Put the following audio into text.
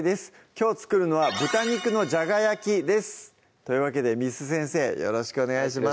きょう作るのは「豚肉のじゃが焼き」ですというわけで簾先生よろしくお願いします